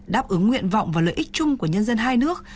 đáp ứng nguyện vọng và lợi ích chung của nhân dân hai nước